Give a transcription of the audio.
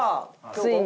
ついに。